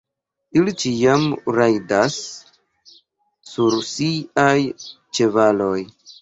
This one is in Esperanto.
Ili ĉiam rajdas sur siaj ĉevaloj!